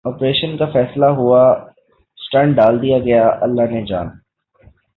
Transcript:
operation کا فیصلہ ہوا سٹنٹ ڈال دیا گیا اللہ نے جان